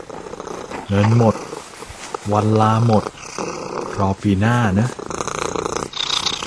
เงินหมด วันลาหมด รอปีหน้าเนอะ